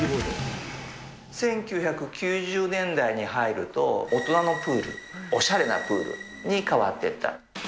１９９０年代に入ると、大人のプール、おしゃれなプールに変わってった。